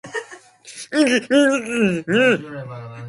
文章を入力してください